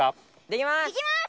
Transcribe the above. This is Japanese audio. できます！